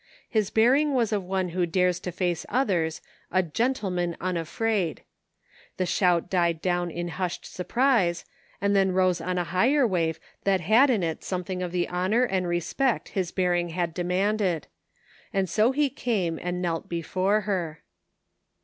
His bearing was of one who dares to face others, a " gentleman, unafraid." The shouit died down in hushed surprise, and then rose on a higher wave that had in it something of the honor and respect his bearing had demanded. And so he came and knelt before her.